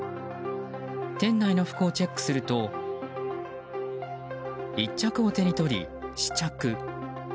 店内の服をチェックすると１着を手に取り、試着。